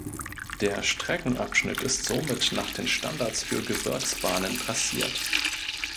Der Streckenabschnitt ist somit nach den Standards für Gebirgsbahnen trassiert.